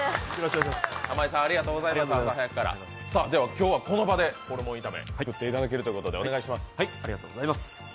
今日はこの場でホルモン炒め作っていただけるということでお願いします。